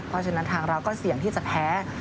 เพราะฉะนั้นทางเราก็เสี่ยงที่จะแพ้